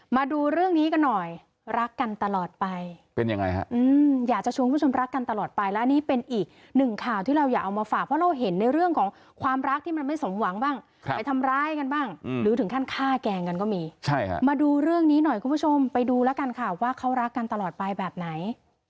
มาดูเรื่องนี้กันหน่อยรักกันตลอดไปเป็นยังไงฮะอยากจะชวนคุณผู้ชมรักกันตลอดไปและนี่เป็นอีกหนึ่งข่าวที่เราอยากเอามาฝากเพราะเราเห็นในเรื่องของความรักที่มันไม่สมหวังบ้างไปทำร้ายกันบ้างหรือถึงขั้นฆ่าแกล้งกันก็มีใช่ค่ะมาดูเรื่องนี้หน่อยคุณผู้ชมไปดูแล้วกันค่ะว่าเขารักกันตลอดไปแบบไหน